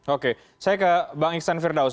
oke saya ke bang iksan firdaus